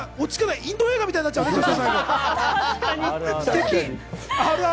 インド映画みたいになっちゃうね、ステキ！